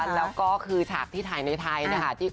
แล้วก็คือฉากที่ถ่ายในไทยนะคะ